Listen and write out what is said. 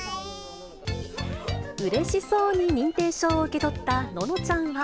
うれしそうに認定証を受け取った、ののちゃんは。